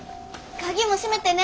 鍵も閉めてね。